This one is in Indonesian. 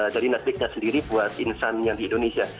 jadi netflixnya sendiri buat insan yang di indonesia